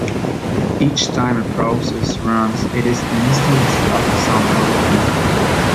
Each time a process runs, it is an instance of some program.